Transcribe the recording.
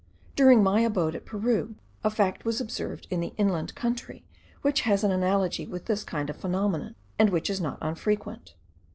During my abode at Peru, a fact was observed in the inland country, which has an analogy with this kind of phenomenon, and which is not unfrequent.